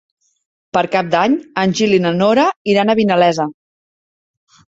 Per Cap d'Any en Gil i na Nora iran a Vinalesa.